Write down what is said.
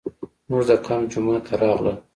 زموږ د کمپ جومات ته راغلل.